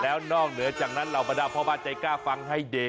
แล้วนอกเหนือจากนั้นเรามาดาบเพราะบ้านใจกล้าฟังให้เด๊